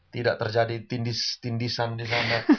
tidak terjadi tindis tindisan di sana